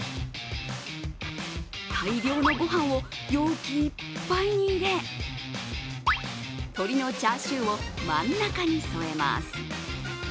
大量のご飯を容器いっぱいに入れ鶏のチャーシューを真ん中に添えます。